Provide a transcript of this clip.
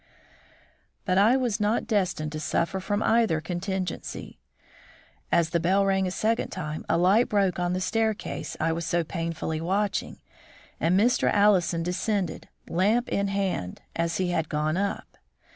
But I was not destined to suffer from either contingency. As the bell rang a second time, a light broke on the staircase I was so painfully watching, and Mr. Allison descended, lamp in hand, as he had gone up.